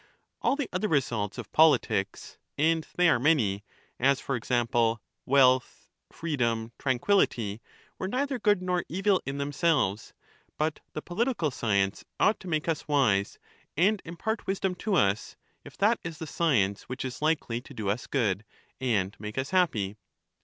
All the other results of politics, and they are many, as for example, wealth, freedom, tranquillity, were neither good nor evil in themselves; but the political science ought to make us wise, and impart wisdom to us, if that is the science which is likely to do us good, and make us happy.